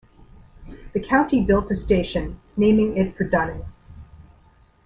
The county built a station, naming it for Dunning.